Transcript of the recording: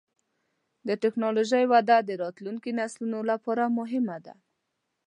د ټکنالوجۍ وده د راتلونکي نسلونو لپاره مهمه ده.